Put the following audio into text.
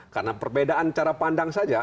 karena perbedaan cara pandang saja